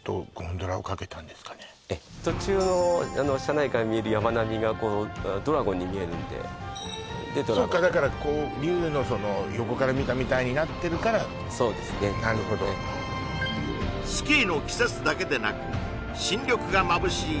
途中の車内から見える山並みがドラゴンに見えるんででドラゴンそっかだからこう竜のその横から見たみたいになってるからそうですねなるほどスキーの季節だけでなく新緑がまぶしい